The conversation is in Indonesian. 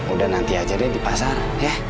udah nanti aja deh di pasar ya